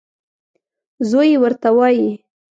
زوی یې ورته وايي .